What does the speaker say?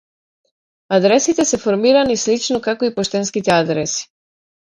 Адресите се формирани слично како и поштенските адреси.